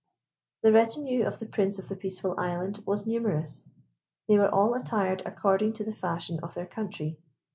The retinue of the Prince of the Peaceful Island was numerous. They were all attired according to the fashion of their country.